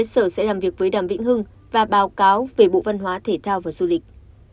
sở sẽ làm việc với đàm vĩnh hưng và báo cáo về bộ văn hóa thể thao và du lịch